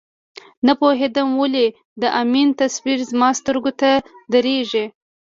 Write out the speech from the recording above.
نه پوهېدم ولې د امین تصویر زما سترګو ته درېږي.